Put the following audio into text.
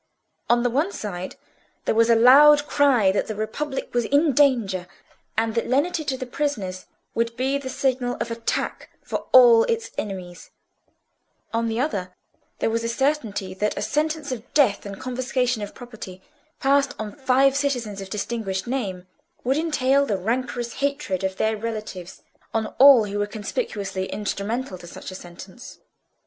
On the one side there was a loud cry that the Republic was in danger, and that lenity to the prisoners would be the signal of attack for all its enemies; on the other, there was a certainty that a sentence of death and confiscation of property passed on five citizens of distinguished name, would entail the rancorous hatred of their relatives on all who were conspicuously instrumental to such a sentence.